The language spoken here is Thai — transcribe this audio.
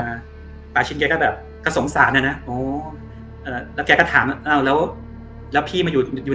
มาปาชิดแกก็แบบก็สงสารอ่ะนะอ๋อเอ่อแล้วแกก็ถามอ้าวแล้วแล้วพี่มาอยู่อยู่